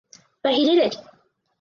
But he did it!